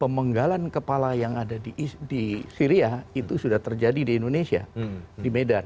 pemenggalan kepala yang ada di syria itu sudah terjadi di indonesia di medan